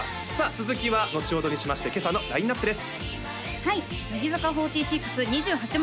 続きはのちほどにしまして今朝のラインナップです